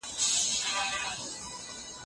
ولي له کورنۍ سره مینه ذهن اراموي؟